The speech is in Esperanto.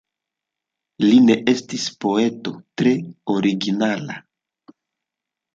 Li ne estis poeto tre originala.